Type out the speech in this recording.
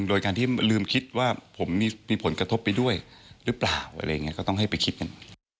โดยการที่ลืมคิดว่าผมมีผลกระทบไปด้วยหรือเปล่าอะไรอย่างนี้ก็ต้องให้ไปคิดกัน